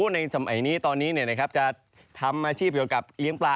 ในสมัยนี้ตอนนี้จะทำอาชีพเกี่ยวกับเลี้ยงปลา